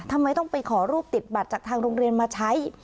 ทำไมต้องไปขอรูปติดบัตรจากทางโรงเรียนมาใช้